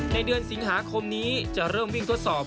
ในเดือนสิงหาคมนี้จะเริ่มวิ่งทดสอบ